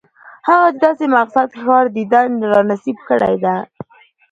هغه د داسې مقدس ښار دیدن را نصیب کړی دی.